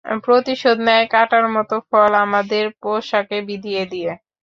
প্রতিশোধ নেয় কাঁটার মতো ফল আমাদের পোশাকে বিঁধিয়ে দিয়ে।